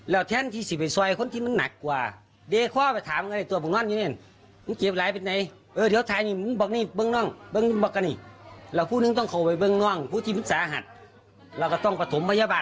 แล้วแทนที่จะไปซอยคนที่มันนักกว่า